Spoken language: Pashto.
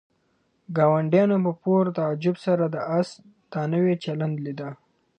ګاونډیانو په پوره تعجب سره د آس دا نوی چلند لیده.